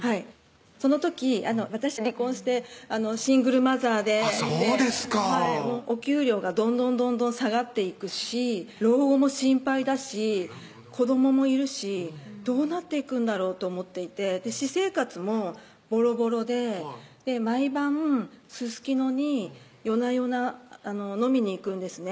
その時私離婚してシングルマザーでそうですかはいお給料がどんどんどんどん下がっていくし老後も心配だし子どももいるしどうなっていくんだろうと思っていて私生活もボロボロで毎晩すすきのに夜な夜な飲みに行くんですね